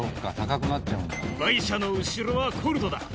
バイシャの後ろはコルドだ。